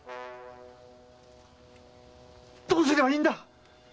どうすればいいんだ！